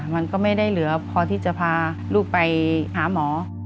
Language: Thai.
มันก็ไม่ได้เหลือพอที่จะพาลูกไปหาหมอ